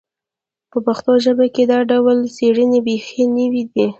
په پښتو ژبه کې دا ډول څېړنې بیخي نوې دي